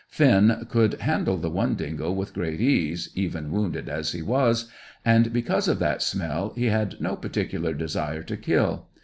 Finn could handle the one dingo with great ease, even wounded as he was, and, because of that smell, he had no particular desire to kill.